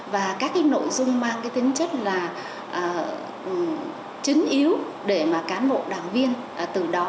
và các cái nội dung mang cái tính chất là chứng yếu để mà cán bộ đảng viên từ đó